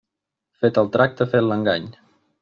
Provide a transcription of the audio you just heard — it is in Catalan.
Fet el tracte, fet l'engany.